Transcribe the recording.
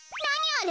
あれ。